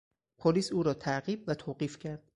پلیس او را تعقیب و توقیف کرد.